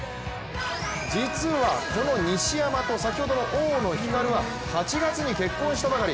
実はこの西山とこの大野ひかるは８月に結婚したばかり。